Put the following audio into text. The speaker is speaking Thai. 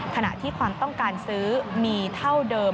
ขณะที่ความต้องการซื้อมีเท่าเดิม